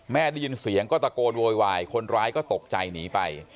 ได้ยินเสียงก็ตะโกนโวยวายคนร้ายก็ตกใจหนีไป